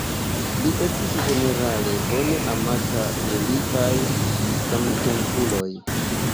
Li estis ĝenerale bone amata de liaj samtempuloj.